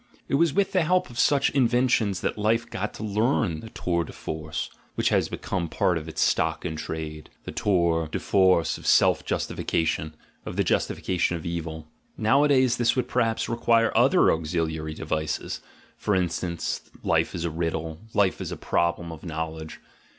It was with the help of such inventions that life got to 56 THE GENEALOGY OF MORALS learn the tour de force, which has become part of its stock in trade, the tour de jorce of self justification, of the justification of evil; nowadays this would perhaps re quire other auxiliary devices (for instance, life as a riddle, life as a problem of knowledge).